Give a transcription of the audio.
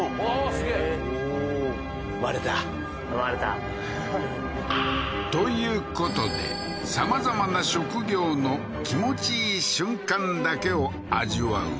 すげえ割れた「割れた」ということで様々な職業の気持ちいい瞬間だけを味わう